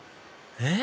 えっ？